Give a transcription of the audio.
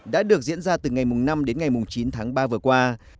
đã được diễn ra từ ngày năm đến ngày chín tháng ba vừa qua